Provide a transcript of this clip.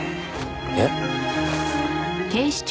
えっ？